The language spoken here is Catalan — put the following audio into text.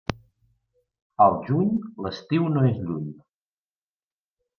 Al juny, l'estiu no és lluny.